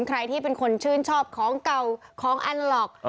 ใครที่เป็นคนชื่นชอบของเก่าของอัลล็อก